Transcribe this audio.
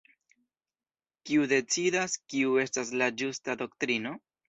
Kiu decidas kiu estas la "ĝusta" doktrino?